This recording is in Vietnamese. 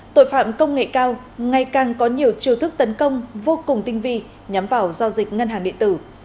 tội phạm công nghệ cao ngày càng có nhiều chiêu thức tấn công vô cùng tinh vi nhắm vào giao dịch ngân hàng điện tử